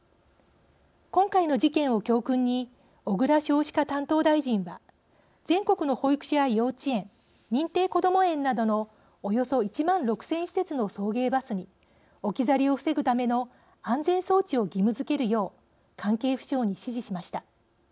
今回の事件を教訓に小倉少子化担当大臣は全国の保育所や幼稚園認定こども園などのおよそ１万６０００施設の送迎バスに置き去りを防ぐための安全装置を義務づけるよう関係府省に指示しました。